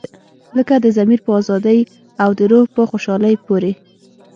لکه د ضمیر په ازادۍ او د روح په خوشحالۍ پورې.